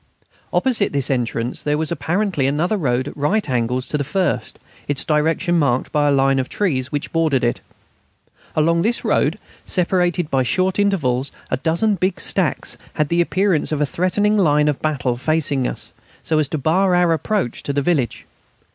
Opposite this entrance there was apparently another road at right angles to the first, its direction marked by a line of trees which bordered it. Along this road, separated by short intervals, a dozen big stacks had the appearance of a threatening line of battle facing us, so as to bar our approach to the village.